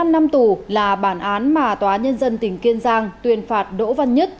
một mươi năm năm tù là bản án mà tòa nhân dân tỉnh kiên giang tuyên phạt đỗ văn nhất